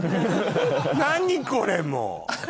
何これもう。